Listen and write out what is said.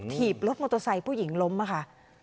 ถีบรถมอเตอร์ไซค์ผู้หญิงล้มค่ะ